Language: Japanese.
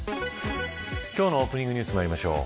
今日のオープニングニュースにまいりましょう。